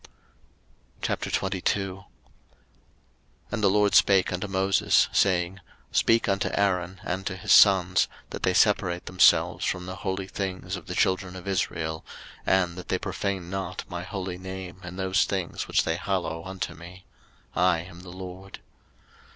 03:022:001 And the LORD spake unto Moses, saying, 03:022:002 Speak unto Aaron and to his sons, that they separate themselves from the holy things of the children of Israel, and that they profane not my holy name in those things which they hallow unto me: I am the LORD.